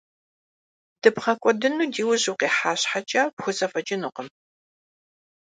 ДыбгъэкӀуэдыну ди ужь укъыхьа щхькӀэ пхузэфӏэкӏынукъым.